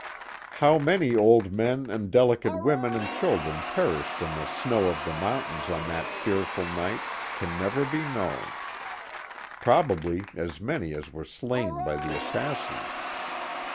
How many old men and delicate women and children perished in the snow of the mountains on that fearful night can never be known; probably as many as were slain by the assassins.